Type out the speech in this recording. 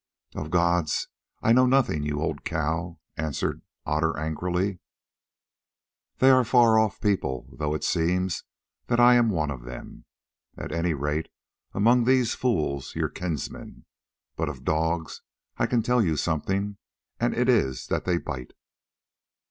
"Of gods I know nothing, you old cow," answered Otter angrily; "they are a far off people, though it seems that I am one of them, at any rate among these fools, your kinsmen. But of dogs I can tell you something, and it is that they bite."